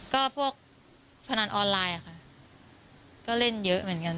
ก็พวกพนันออนไลน์ค่ะก็เล่นเยอะเหมือนกัน